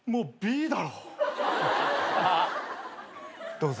どうぞ。